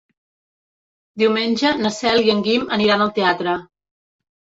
Diumenge na Cel i en Guim aniran al teatre.